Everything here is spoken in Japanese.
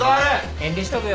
遠慮しとくよ。